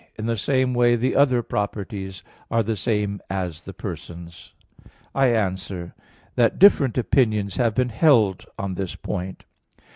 In the same way, the other properties are the same as the persons. I answer that, Different opinions have been held on this point.